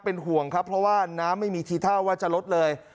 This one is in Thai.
เป็นห่วงครับเพราะว่าน้ำไม่มีทีท่าว่าจะลดเลย